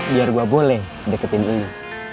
biar gue boleh deketin dulu